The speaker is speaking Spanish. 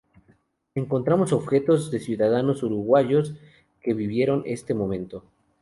Encontramos objetos de ciudadanos uruguayos que vivieron este momento.